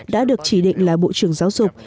đã được chỉ định là bộ trưởng giáo dục